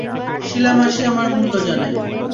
শিলা মাসি আমার মূল্য জানে।